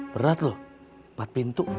berat loh empat pintu